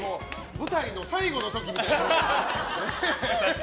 舞台の最後の時みたいな。